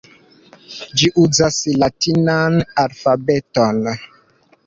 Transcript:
Ĝi uzas latinan alfabeton.